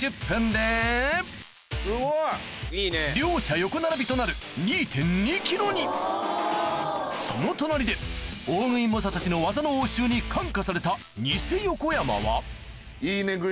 両者横並びとなるその隣で大食い猛者たちの技の応酬に感化されたニセ横山は「イイネ！食い」？